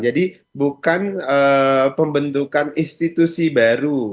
jadi bukan pembentukan institusi baru